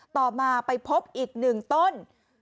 ต่อมาไปพบอีก๑ต้น